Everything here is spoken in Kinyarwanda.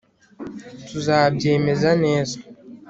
Tuzabyemeza neza